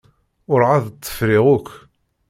Ur εad tt-friɣ akk.